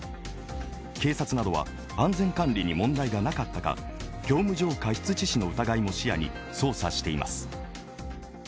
警察などは安全管理に問題がなかったか業務上過失致死の疑いも視野に捜査しています。